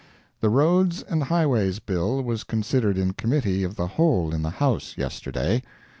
] The Roads and Highways bill was considered in Committee of the Whole in the House yesterday.